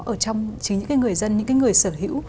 ở trong chính những cái người dân những cái người sở hữu